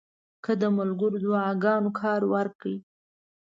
که د ملګرو دعاګانو کار ورکړ.